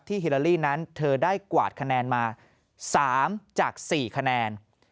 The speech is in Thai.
ฮิลาลีนั้นเธอได้กวาดคะแนนมา๓จาก๔คะแนน